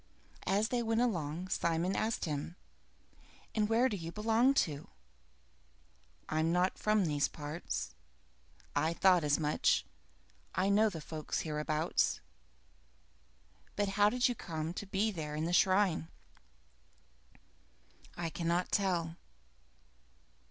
As they went along, Simon asked him, "And where do you belong to?" "I'm not from these parts." "I thought as much. I know the folks hereabouts. But, how did you come to be there by the shrine?" "I cannot tell."